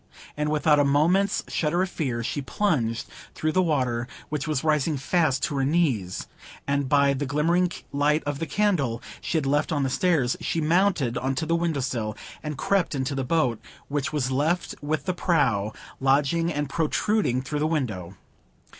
And without a moment's shudder of fear, she plunged through the water, which was rising fast to her knees, and by the glimmering light of the candle she had left on the stairs, she mounted on to the window sill, and crept into the boat, which was left with the prow lodging and protruding through the window.